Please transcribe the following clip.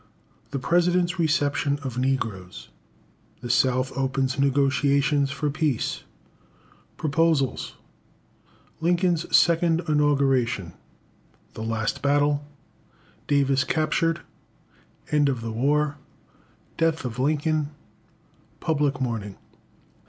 The President's Reception of Negroes The South opens Negotiations for Peace Proposals Lincoln's Second Inauguration The Last Battle Davis Captured End of the War Death of Lincoln Public Mourning.